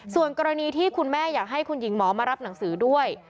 ส่วนกรณีที่คุณแม่อยากให้คุณหญิงหมอมารับหนังสือด้วย